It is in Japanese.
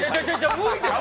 無理です！